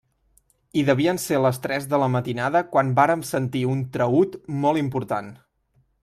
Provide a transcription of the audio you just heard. I devien ser les tres de la matinada quan vàrem sentir un traüt molt important.